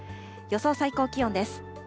予想最高気温です。